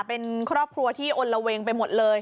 เป็นครอบครัวที่อลละเวงไปหมดเลย